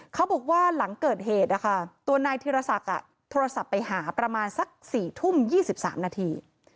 เขาบอกว่าหลังเกิดเหตุนะคะตัวนายธีรศักดิ์โทรศัพท์ไปหาประมาณสัก๔ทุ่ม๒๓นาที